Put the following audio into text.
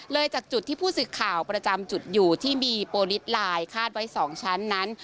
จากจุดที่ผู้สื่อข่าวประจำจุดอยู่ที่มีโปรลิสไลน์คาดไว้๒ชั้นนั้น